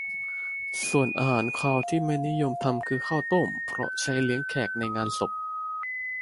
ส่วนอาหารคาวที่ไม่นิยมทำคือ ข้าวต้ม เพราะใช้เลี้ยงแขกในงานศพ